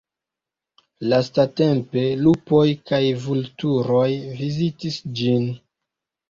Lastatempe, lupoj kaj vulturoj vizitis ĝin.